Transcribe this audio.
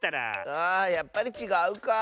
あやっぱりちがうかあ。